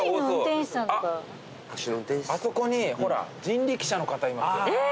あそこにほら人力車の方いますよ。